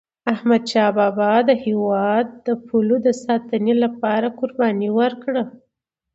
احمدشاه بابا د هیواد د پولو د ساتني لپاره قرباني ورکړه.